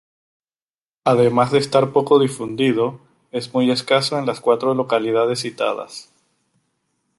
Además de estar poco difundido, es muy escaso en las cuatro localidades citadas.